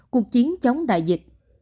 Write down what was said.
cuộc chiến chống đại dịch